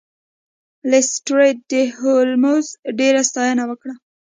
لیسټرډ د هولمز ډیره ستاینه وکړه.